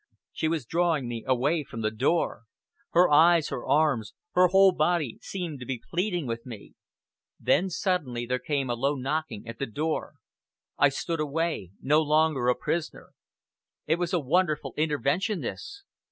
She was drawing me away from the door. Her eyes, her arms, her whole body seemed to be pleading with me. Then suddenly there came a low knocking at the door. I stood away no longer a prisoner. It was a wonderful intervention this!